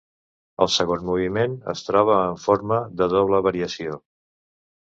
El segon moviment es troba en forma de doble variació.